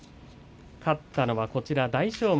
勝ったのは大翔丸。